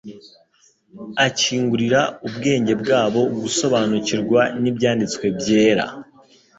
akingurira ubwenge bwabo gusobanukirwa n'Ibyanditswe byera.